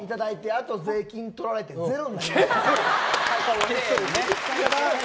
あと税金とられてゼロになりました。